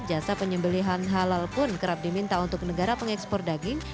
jasa penyembelihan halal pun kerap diminta untuk negara pengekspor daging